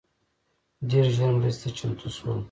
ډېر ژر مرستي ته چمتو سول